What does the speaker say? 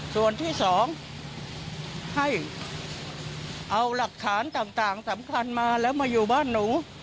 ส่วนที่สองให้เอาหลักฐานต่างสำคัญมาแล้วมาอยู่บ้านหนู